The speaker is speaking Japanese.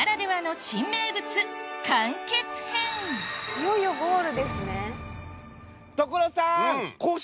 いよいよゴールですね。